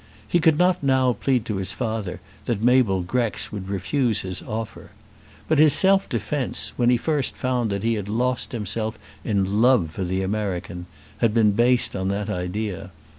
He could not now plead to his father that Mabel Grex would refuse his offer. But his self defence, when first he found that he had lost himself in love for the American, had been based on that idea.